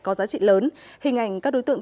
có giá trị lớn hình ảnh các đối tượng